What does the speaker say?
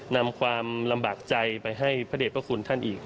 นำความลำบากใจไปให้พระเด็จพระคุณท่านอีก